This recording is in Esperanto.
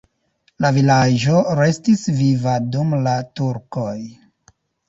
La vilaĝo restis viva dum la turkoj.